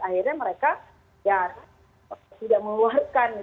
akhirnya mereka tidak melewarkan